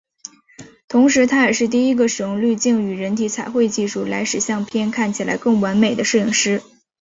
同时他也是第一个使用滤镜与人体彩绘技术来使相片看起来更完美的摄影师。